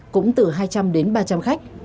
cũng từ hai trăm linh đến ba trăm linh khách